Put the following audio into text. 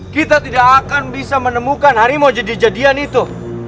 kita tidak akan bisa menemukan harimau jadi jadian itu